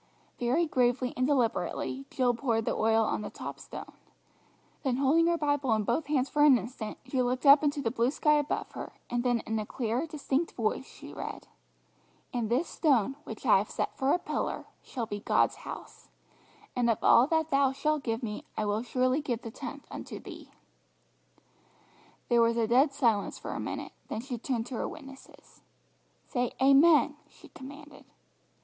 Very gravely and deliberately Jill poured the oil on the top stone, then holding her Bible in both hands for an instant, she looked up into the blue sky above her, and then in a clear, distinct voice she read "And this stone which I have set for a pillar shall be God's house; and of all that Thou shalt give me I will surely give the tenth unto Thee." There was a dead silence for a minute, then she turned to her witnesses. "Say 'Amen,'" she commanded.